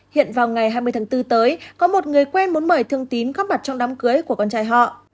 hiện vào ngày hai mươi tháng bốn tới có một người quen muốn mời thương tín góp mặt trong đám cưới của con trai họ